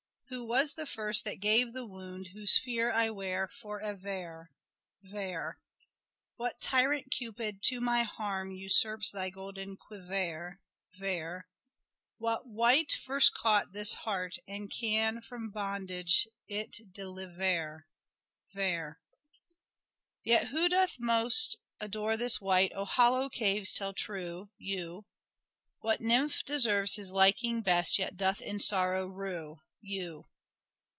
Who was the first that gave the wound, whose fear I wear for ever ?— Vere. What tyrant, Cupid, to my harm, usurps thy golden quiver ?— Vere. What wight first caught this heart, and can from bondage it deliver ?— Vere. Yet who doth most adore this wight, oh hollow caves tell true ?— You. What nymph deserves his liking best yet doth in sorrow rue ?— You.